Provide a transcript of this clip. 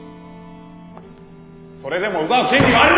それでも奪う権利はあるのか！